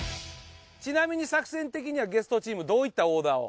ちなみに作戦的にはゲストチームどういったオーダーを？